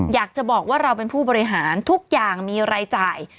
อยากจะบอกว่าเราเป็นผู้บริหารทุกอย่างมีรายจ่าย